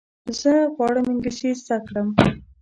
زه غواړم انګلیسي زده کړم.